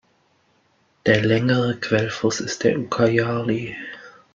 Der längere Quellfluss ist der Ucayali.